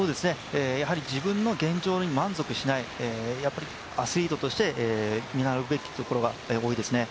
自分の現状に満足しない、アスリートとして見習うべきところが多いですね。